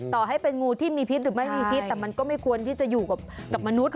ต่อให้เป็นงูที่มีพิษหรือไม่มีพิษแต่มันก็ไม่ควรที่จะอยู่กับมนุษย์